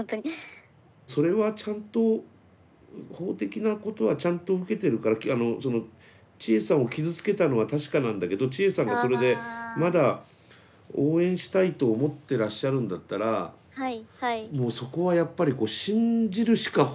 それはちゃんと法的なことはちゃんと受けてるからチエさんを傷つけたのは確かなんだけどチエさんがそれでまだ応援したいと思ってらっしゃるんだったらもうそこはやっぱりこう信じるしか方法はないですもんね。